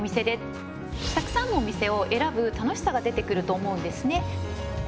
たくさんのお店を選ぶ楽しさが出てくると思うんですね。